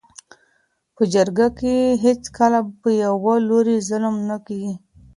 . په جرګه کي هیڅکله په یوه لوري ظلم نه کيږي.